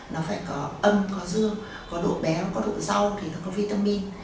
nó phải có âm có dưa có độ bé có độ rau thì nó có vitamin